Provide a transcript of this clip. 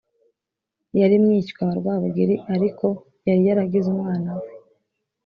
Yari mwishywa wa Rwabugiri ariko yari yaragize umwana we